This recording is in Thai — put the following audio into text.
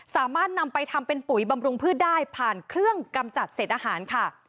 สามารถนำไปทำเป็นปุ๋ยบำรุงพืชได้ผ่านเครื่องกำจัดเศษอาหารค่ะ